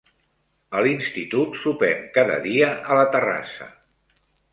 A l'institut sopem cada dia a la terrassa.